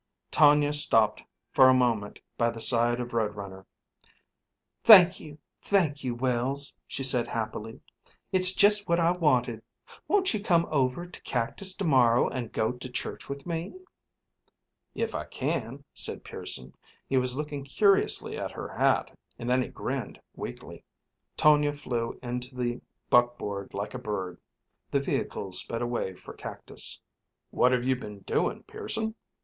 Tonia stopped for a moment by the side of Road Runner. "Thank you, thank you, Wells," she said, happily. "It's just what I wanted. Won't you come over to Cactus to morrow and go to church with me?" "If I can," said Pearson. He was looking curiously at her hat, and then he grinned weakly. Tonia flew into the buckboard like a bird. The vehicles sped away for Cactus. "What have you been doing, Pearson?"